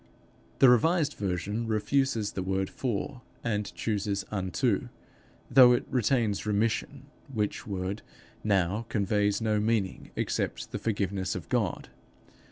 _ The revised version refuses the word for and chooses unto, though it retains remission, which word, now, conveys no meaning except the forgiveness of God.